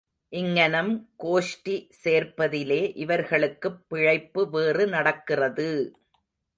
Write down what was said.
இங்ஙனம் கோஷ்டி சேர்ப்பதிலே இவர்களுக்குப் பிழைப்பு வேறு நடக்கிறது!